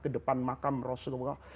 ke depan makam rasulullah